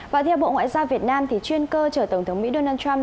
và theo bộ ngoại giao việt nam thì chuyên cơ chở tổng thống mỹ donald trump